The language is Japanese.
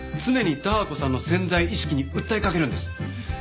常にダー子さんの潜在意識に訴えかけるんです。